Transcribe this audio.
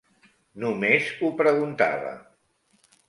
Només ho preguntava.